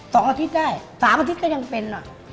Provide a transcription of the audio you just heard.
สามอาทิตย์ก็ยังเป็น